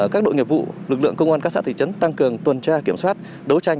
các đội nghiệp vụ lực lượng công an các xã thị trấn tăng cường tuần tra kiểm soát đấu tranh